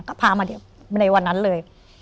ก็พามาในวันนั้นเลย